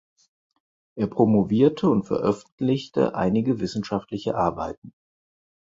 Er promovierte und veröffentlichte einige wissenschaftliche Arbeiten.